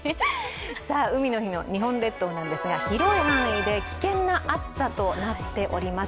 海の日の日本列島なんですが広い範囲で危険な暑さとなっております。